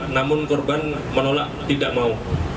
namun korban menolak tidak mau